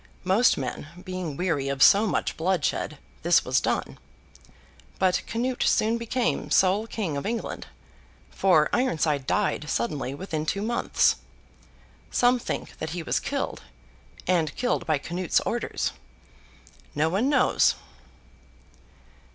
Most men being weary of so much bloodshed, this was done. But Canute soon became sole King of England; for Ironside died suddenly within two months. Some think that he was killed, and killed by Canute's orders. No one knows.